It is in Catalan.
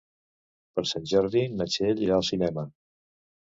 Per Sant Jordi na Txell irà al cinema.